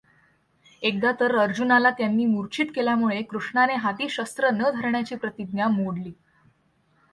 एकदा तर अर्जुनाला त्यांनी मृर्च्छित केल्यामुळे कृष्णाने हाती शस्त्र न धरण्याची प्रतिज्ञा मोडली.